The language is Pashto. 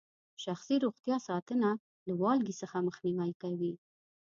شخصي روغتیا ساتنه له والګي څخه مخنیوي کوي.